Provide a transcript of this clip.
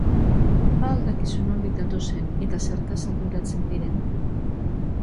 Ba al dakizu nondik datozen eta zertaz arduratzen diren?